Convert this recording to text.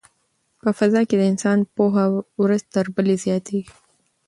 په فضا کې د انسان پوهه ورځ تر بلې زیاتیږي.